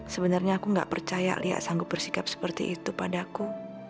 sebenernya aku gak percaya lia sanggup bersikap seperti itu padaku